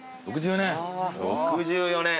６４年！